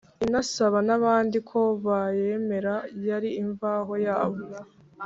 inasaba n’abandi ko bayemera. yari imvaho yabo